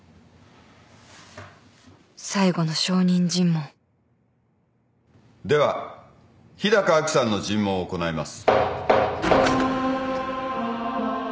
最後の証人尋問では日高亜紀さんの尋問を行います。